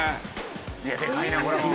いやでかいなこれも。